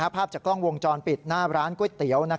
ภาพจากกล้องวงจรปิดหน้าร้านก๋วยเตี๋ยว